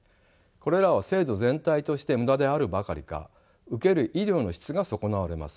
これらは制度全体として無駄であるばかりか受ける医療の質が損なわれます。